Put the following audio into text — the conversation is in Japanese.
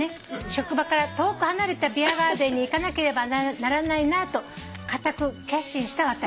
「職場から遠く離れたビアガーデンに行かなければならないなぁと固く決心した私です」